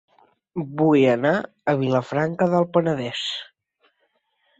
Vull anar a Vilafranca del Penedès